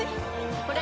これ！